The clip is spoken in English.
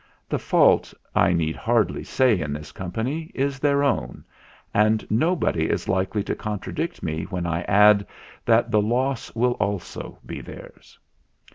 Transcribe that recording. The fault, I need hardly say in this company, is their own, and nobody is likely to contradict me when I add that the loss will also be theirs."